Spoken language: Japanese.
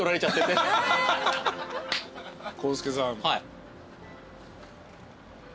はい。